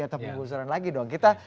atau pengusuran lagi dong